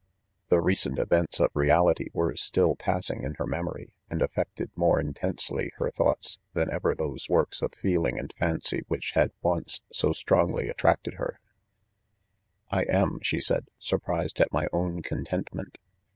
The recent events of reality were still passing in her memory, and affected more intensely her thoughts than even those works of feeling" and fancy which had once so strongly attracted ■her./", ■■;■'• cc I am/ 5 she said, " surprised at my own contentment.